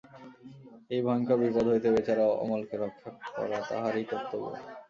এই ভয়ংকর বিপদ হইতে বেচারা অমলকে রক্ষা করা তাহারই কর্তব্য।